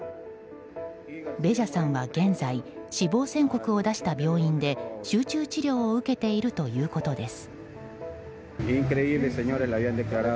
ベジャさんは現在、死亡宣告を出した病院で集中治療を受けているということです。